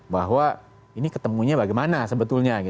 bahwa ini ketemunya bagaimana sebetulnya